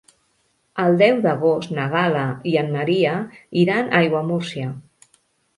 El deu d'agost na Gal·la i en Maria iran a Aiguamúrcia.